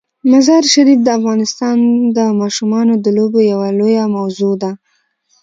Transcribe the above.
مزارشریف د افغانستان د ماشومانو د لوبو یوه لویه موضوع ده.